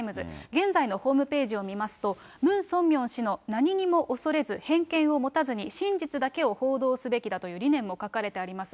現在のホームページを見ますと、ムン・ソンミョン氏の、何にも恐れず偏見を持たずに真実だけを報道すべきだという理念も書かれてあります。